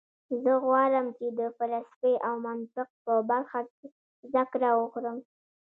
زه غواړم چې د فلسفې او منطق په برخه کې زده کړه وکړم